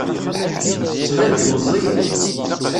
Tettban-d meẓẓiyet.